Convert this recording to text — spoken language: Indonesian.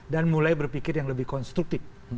dan mulai berpikir yang lebih konstruktif